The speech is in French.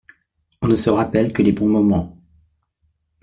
On ne se rappelle que les bons moments.